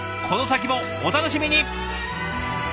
この先もお楽しみに！